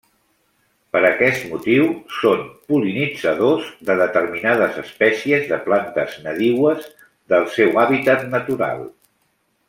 Per aquest motiu, són pol·linitzadors de determinades espècies de plantes nadiues del seu hàbitat natural.